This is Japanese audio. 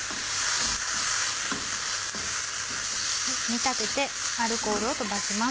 煮立ててアルコールを飛ばします。